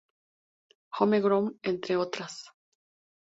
Home Grown entre otras.